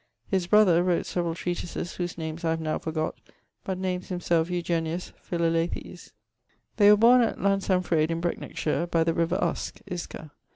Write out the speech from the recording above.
His brother wrote severall treatises, whose names I have now forgott, but names himself Eugenius Philalethes. They were borne at Llansanfraid in Brecknockshire, by the river Uske (Isca).